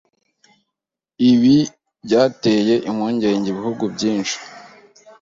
ibi byateye impungenge ibihugu byinshi